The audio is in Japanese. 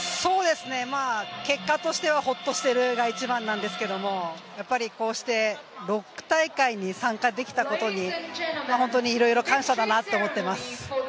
結果としてはホッとしているが一番なんですけれども、やっぱり、こうして６大会に参加できたことに本当にいろいろ感謝だなと思っています。